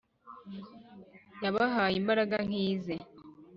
Yabahaye imbaraga nk’ize,